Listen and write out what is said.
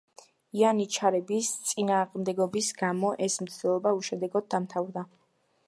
იანიჩარების წინააღმდეგობის გამო ეს მცდელობა უშედეგოდ დამთავრდა.